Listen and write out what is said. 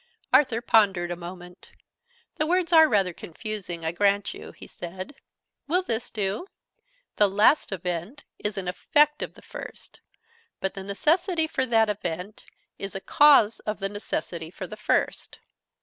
Arthur pondered a moment. "The words are rather confusing, I grant you," he said. "Will this do? The last event is an effect of the first: but the necessity for that event is a cause of the necessity for the first."